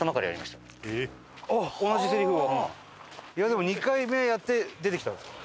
でも２回目やって出てきたんですか？